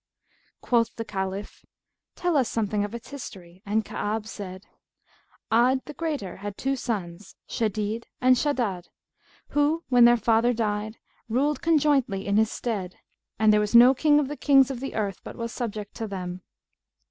Quoth the Caliph, 'Tell us something of its history,' and Ka'ab said, 'Ad the Greater[FN#170] had two sons, Shadнd and Shaddбd who, when their father died, ruled conjointly in his stead, and there was no King of the Kings of the earth but was subject to them.